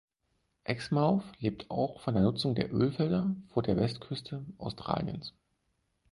Exmouth lebt auch von der Nutzung der Ölfelder vor der Westküste Australiens.